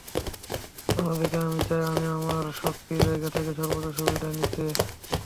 অন্যদিকে আমি চাই আমি আমার শক্তির জায়গা থেকে সর্বোচ্চ সুবিধা নিতে।